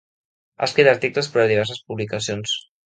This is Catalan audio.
Ha escrit articles per a diverses publicacions.